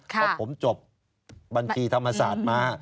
เพราะผมจบบัญชีธรรมศาสตร์มา